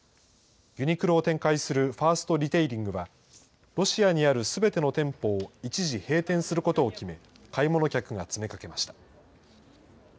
ユニクロを展開するファーストリテイリングは、ロシアにあるすべての店舗を一時閉店することを決め、買い物客が詰めかけました。